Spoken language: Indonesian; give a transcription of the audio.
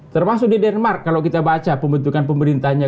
termasuk di denmark kalau kita baca pembentukan pemerintahnya